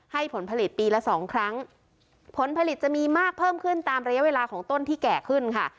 ผลผลิตปีละสองครั้งผลผลิตจะมีมากเพิ่มขึ้นตามระยะเวลาของต้นที่แก่ขึ้นค่ะ